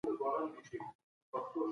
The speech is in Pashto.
پوهه د ازادۍ په مانا ده.